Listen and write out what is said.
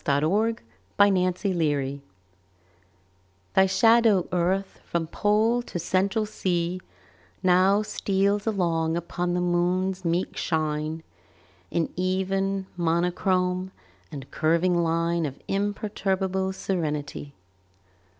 AT A LUNAR ECLIPSE THY shadow, Earth, from Pole to Central Sea, Now steals along upon the Moon's meek shine In even monochrome and curving line Of imperturbable serenity.